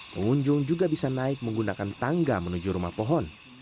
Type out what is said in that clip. pengunjung juga bisa naik menggunakan tangga menuju rumah pohon